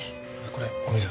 これお水。